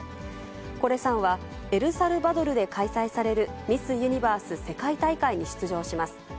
コレさんはエルサルバドルで開催されるミス・ユニバース世界大会に出場します。